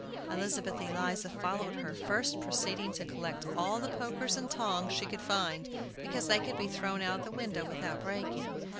Elizabeth Eliza followed her, first proceeding to collect all the pokers and tongs she could find, because they could be thrown out of the window without breaking.